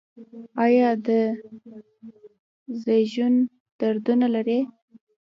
ایا د زیږون دردونه لرئ؟